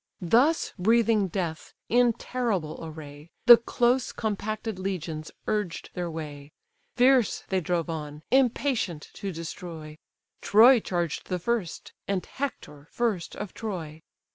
Thus breathing death, in terrible array, The close compacted legions urged their way: Fierce they drove on, impatient to destroy; Troy charged the first, and Hector first of Troy.